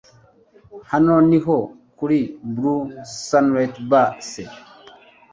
hano niho kuri blue sunlight bar se!